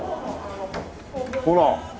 ほら。